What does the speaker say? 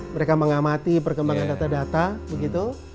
mereka mengamati perkembangan data data begitu